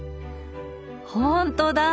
ほんとだ！